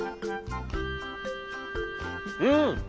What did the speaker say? うん！